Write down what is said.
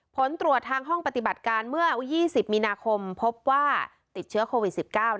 ผลตรวจทางห้องปฏิบัติการเมื่อ๒๐มีนาคมพบว่าติดเชื้อโควิด๑๙